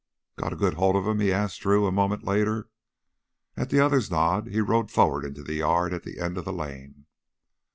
"Got a good hold on him?" he asked Drew a moment later. At the other's nod he rode forward into the yard at the end of the lane.